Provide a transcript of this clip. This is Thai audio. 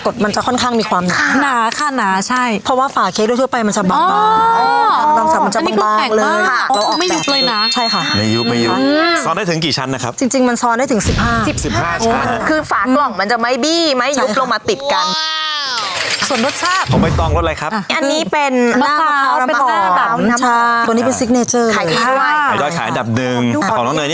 กดมันจะค่อนข้างมีความหนาหนาค่ะหนาใช่เพราะว่าฝาเค้กด้วยเท่าไหร่ไปมันจะบางบาง